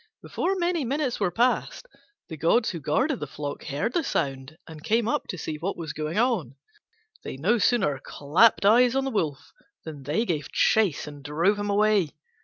Before many minutes were passed the gods who guarded the flock heard the sound and came up to see what was going on. They no sooner clapped eyes on the Wolf than they gave chase and drove him away.